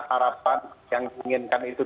harapan yang inginkan itu